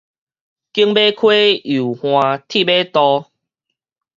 景尾溪右岸鐵馬道